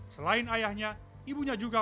selain ayahnya ibunya juga